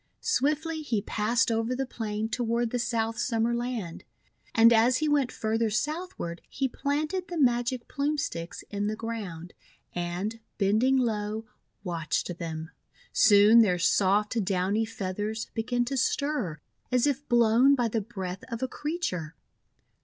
Swiftly he passed over the plain toward the South Summer Land. And as he went farther southward, he planted the Magic Plume Sticks in the ground, and, bending low, watched them. Soon their soft, downy feathers began to stir as if blown by the breath of a creature.